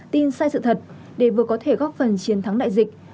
tin sai sự thật để vừa có thể góp phần chiến thắng đại dịch